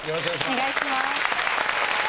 お願いします。